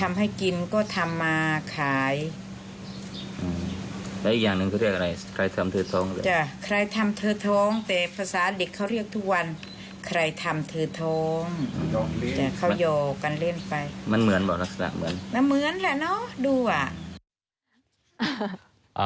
มันเหมือนแหละเนอะดูอ่ะ